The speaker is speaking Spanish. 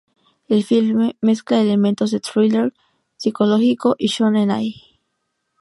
El filme mezcla elementos de thriller psicológico y shōnen-ai.